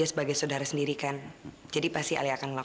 saya bersedia menjadi donor darah